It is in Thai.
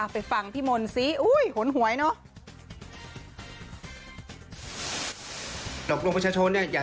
ไปฟังพี่มนศิษย์โห้ยหนหวยเนอะ